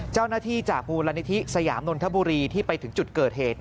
เจ้าหน้าที่จากมูลนิธิสยามนนทบุรีที่ไปถึงจุดเกิดเหตุ